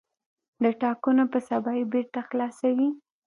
د ټاکنو په سبا یې بېرته خلاصوي.